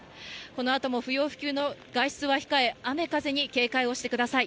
この後も不要不急の外出は控え、雨、風に警戒をしてください。